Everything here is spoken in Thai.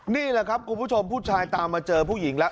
นี่แหละครับคุณผู้ชมผู้ชายตามมาเจอผู้หญิงแล้ว